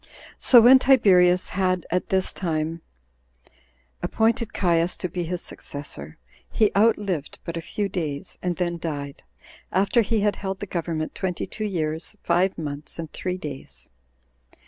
10. So when Tiberius had at this time appointed Caius to be his successor, he outlived but a few days, and then died, after he had held the government twenty two years five months and three days.